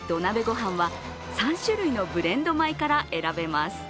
ご飯は３種類のブレンド米から選べます。